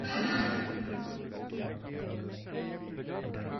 Robinson grew up in Vestal, New York.